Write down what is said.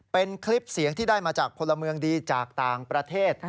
เป็นคลิปเสียงที่ได้มาจากพลเมืองดีจากต่างประเทศ